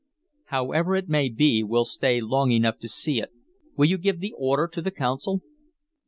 "However it may be, we'll stay long enough to see it. Will you give the order to the Council?"